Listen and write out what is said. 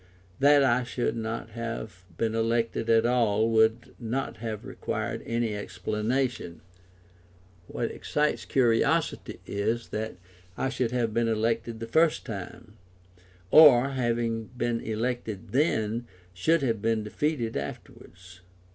That I should not have been elected at all would not have required any explanation; what excites curiosity is that I should have been elected the first time, or, having been elected then, should have been defeated afterwards.